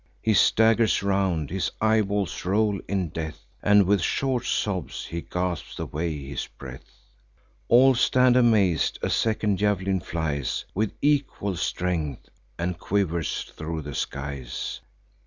He staggers round; his eyeballs roll in death, And with short sobs he gasps away his breath. All stand amaz'd—a second jav'lin flies With equal strength, and quivers thro' the skies.